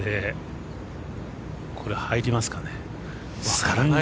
これ、入りますかね。